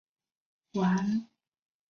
完子和九条幸家育有七名子女。